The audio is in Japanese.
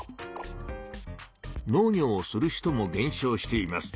農業をする人もげん少しています。